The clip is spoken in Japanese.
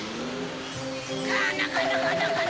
このこのこのこの！